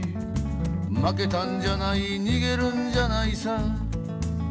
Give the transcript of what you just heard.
「負けたんじゃない逃げるんじゃないさ」